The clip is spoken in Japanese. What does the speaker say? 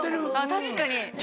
確かに。